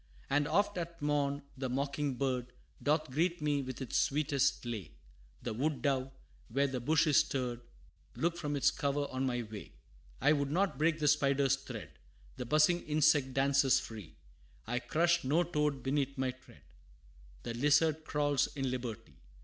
And oft at morn, the mocking bird Doth greet me with its sweetest lay; The wood dove, where the bush is stirred, Looks from its cover on my way. I would not break the spider's thread, The buzzing insect dances free; I crush no toad beneath my tread, The lizard crawls in liberty!